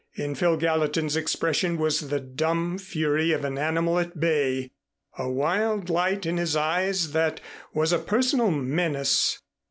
In Phil Gallatin's expression was the dumb fury of an animal at bay, a wild light in his eyes that was a personal menace.